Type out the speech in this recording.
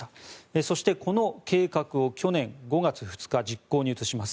そしてこの計画を去年５月２日、実行に移します。